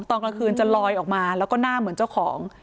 ตอนกลางคืนจะลอยออกมาแล้วก็หน้าเหมือนเจ้าของ